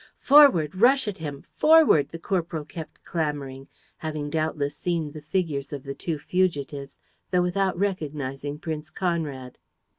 "Forward! Rush at him! Forward!" the corporal kept clamoring, having doubtless seen the figures of the two fugitives, though without recognizing Prince Conrad.